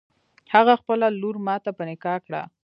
هغه خپله لور ماته په نکاح کړه.